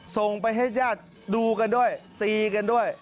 ส่งไปให้ญาติดูกันด้วยตีกันด้วย